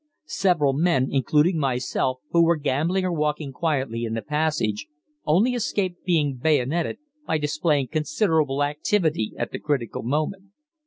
Several men, including myself, who were gambling or walking quietly in the passage, only escaped being bayoneted by displaying considerable activity at the critical moment.